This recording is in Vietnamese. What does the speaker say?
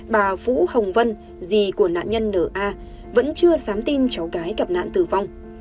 bà phũ hồng vân dì của nạn nhân nna vẫn chưa sám tin cháu gái gặp nạn tử vong